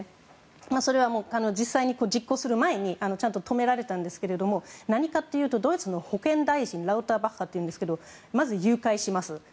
それは実際に実行する前にちゃんと止められたんですが何かというとドイツの保健大臣ラウターバッハというんですが誘拐します。